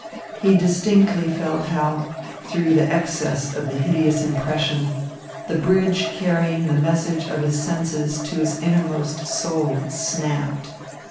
He distinctly felt how, through the excess of the hideous impression, the bridge carrying the message of his senses to his innermost soul snapped.